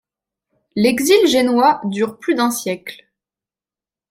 L’exil génois dure plus d’un siècle.